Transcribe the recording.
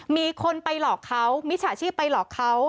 มีคนไปหลอกเขามิจฉาชีพไปหลอกเขา